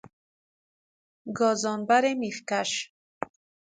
گازانبر میخ کش